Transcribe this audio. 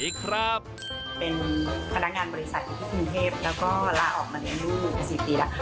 เป็นพนักงานบริษัทที่กรุงเทพแล้วก็ละออกมาเล่นลูก๔ปีแล้ว